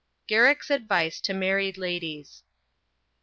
GARRICK'S ADVICE TO MARRIED LADIES.